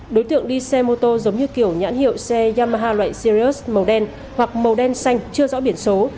đối tượng đi xe mô tô giống như kiểu nhãn hiệu xe yamaha loại sirius màu đen hoặc màu đen xanh chưa rõ biển số